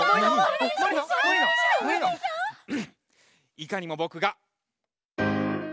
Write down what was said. いかにもぼくが。